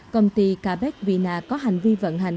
công ty kabeck vina có hành vi vận hành